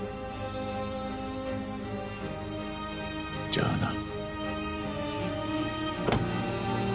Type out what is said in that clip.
じゃあな。